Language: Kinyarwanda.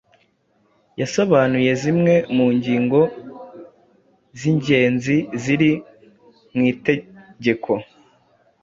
yasobanuye zimwe mu ngingo z’ingenzi ziri mu itegeko